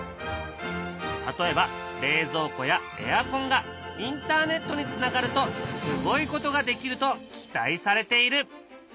例えば冷蔵庫やエアコンがインターネットにつながるとすごいことができると期待されている。